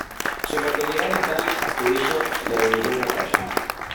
Su localidad natal, Astudillo, le dedicó una calle.